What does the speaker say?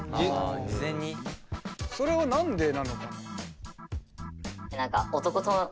それは何でなのかな？